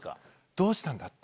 どうしたんだって。